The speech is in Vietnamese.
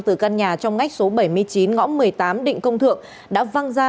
từ căn nhà trong ngách số bảy mươi chín ngõ một mươi tám định công thượng đã văng ra